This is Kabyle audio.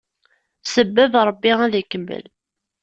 Sebbeb, Ṛebbi ad ikemmel!